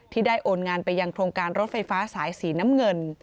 ได้โอนงานไปยังโครงการรถไฟฟ้าสายสีน้ำเงิน